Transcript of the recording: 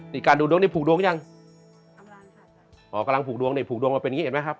นี่การดูดวงนี่ผูกดวงยังอ๋อกำลังผูกดวงเนี่ยผูกดวงมาเป็นอย่างนี้เห็นไหมครับ